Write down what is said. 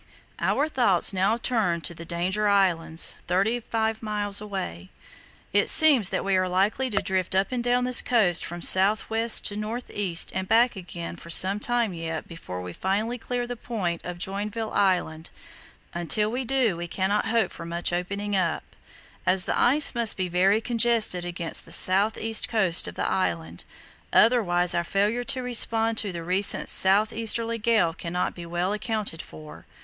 Our thoughts now turned to the Danger Islands, thirty five miles away. "It seems that we are likely to drift up and down this coast from south west to north east and back again for some time yet before we finally clear the point of Joinville Island; until we do we cannot hope for much opening up, as the ice must be very congested against the south east coast of the island, otherwise our failure to respond to the recent south easterly gale cannot be well accounted for.